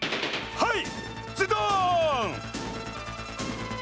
はい。